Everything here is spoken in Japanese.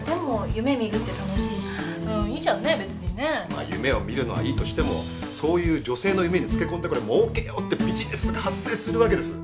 まあ夢を見るのはいいとしてもそういう女性の夢につけ込んでもうけようってビジネスが発生するわけです。